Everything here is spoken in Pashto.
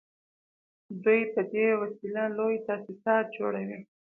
دوی په دې وسیله لوی تاسیسات جوړوي